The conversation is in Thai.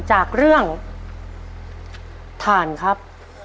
จากเรื่องถ่านครับ